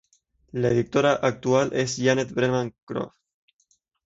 La editora actual es Janet Brennan Croft.